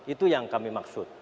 itu yang kami maksud